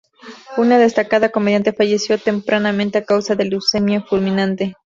Una destacada comediante fallecida tempranamente a causa de leucemia fulminante.